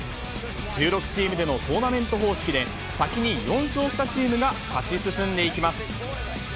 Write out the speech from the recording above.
１６チームでのトーナメント方式で、先に４勝したチームが勝ち進んでいきます。